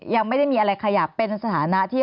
ยังไม่ได้มีอะไรขยับเป็นสถานะที่